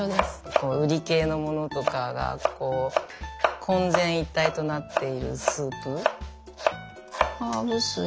こううり系のものとかがこう混然一体となっているスープ。